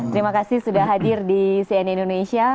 terima kasih sudah hadir di cnn indonesia